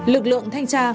lực lượng thanh tra